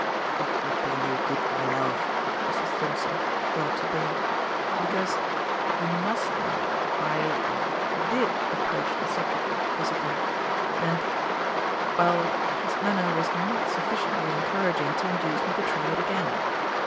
"It would be no good, my love," said Mr. Stimpson, brought to bay, "because, if you must know, I er did approach the subject with Thistleton and well, his manner was not sufficiently encouraging to induce me to try it again.